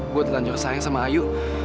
gue telanjur sayang sama ayu